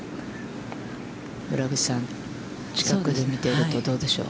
村口さん、近くで見ているとどうでしょう？